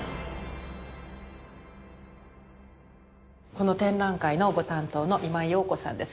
この展覧会のご担当の今井陽子さんです。